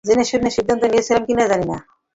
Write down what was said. জেনে-বুঝে সিদ্ধান্ত নিয়েছিলাম কি-না জানি না।